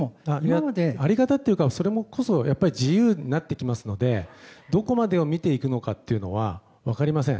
在り方というかそれこそ自由になってきますのでどこまでを見ていくのかというのは分かりません。